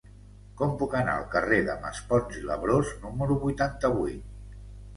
Com puc anar al carrer de Maspons i Labrós número vuitanta-vuit?